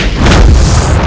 untuk bulk itu namanya saya